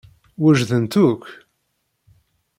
Wejdent akk?